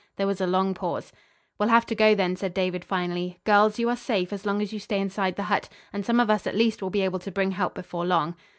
There was a long pause. "We'll have to go, then," said David finally. "Girls, you are safe as long as you stay inside the hut, and some of us at least will be able to bring help before long."